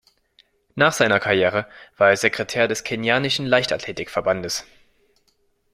Nach seiner Karriere war er Sekretär des kenianischen Leichtathletikverbandes.